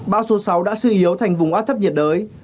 bão số sáu đã suy yếu thành vùng áp thấp nhiệt đới